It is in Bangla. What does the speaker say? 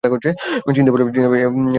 চিনতে পারলাম, এ আশারেরই পায়ের শব্দ।